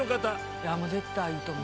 いや絶対いいと思う。